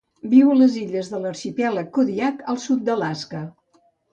Viu a les illes de l'Arxipèlag Kodiak al sud d'Alaska.